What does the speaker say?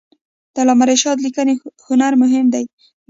د علامه رشاد لیکنی هنر مهم دی ځکه چې وجدان لري.